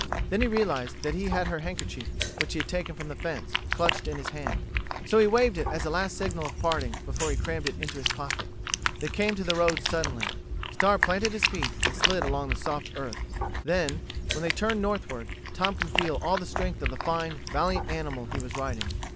Then he realized that he had her handkerchief, which he had taken from the fence, clutched in his hand, so he waved it as a last signal of parting before he crammed it in his pocket. They came to the road suddenly; Star planted his feet and slid on the soft earth. Then, when they turned northward, Tom could feel all the strength of the fine, valiant animal he was riding.